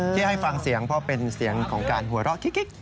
ที่ให้ฟังเสียงเพราะเป็นเสียงของการหัวเราะกิ๊ก